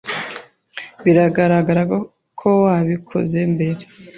Biragaragara ko wabikoze mbere.